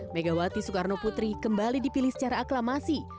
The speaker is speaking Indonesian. megawati soekarno putri kembali dipilih secara aklamasi